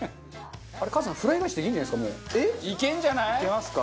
カズさんフライ返しできるんじゃないですか？